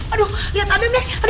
aduh liat adam ya